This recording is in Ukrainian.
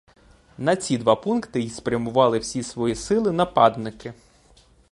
На ці два пункти й спрямували всі свої сили нападники.